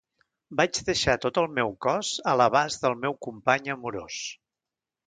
Vaig deixar tot el meu cos a l'abast del meu company amorós.